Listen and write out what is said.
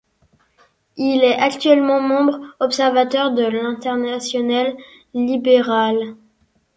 Il est actuellement membre observateur de l'Internationale libérale.